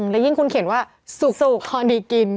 และยิ่งคุณเขียนว่าสุกพอดีกิน